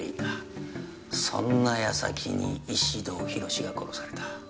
そんな矢先に石堂浩が殺された。